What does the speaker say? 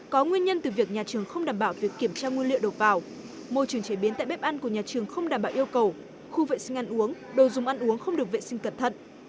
có nguyên nhân từ việc nhà trường không đảm bảo việc kiểm tra nguyên liệu đầu vào môi trường chế biến tại bếp ăn của nhà trường không đảm bảo yêu cầu khu vệ sinh ăn uống đồ dùng ăn uống không được vệ sinh cẩn thận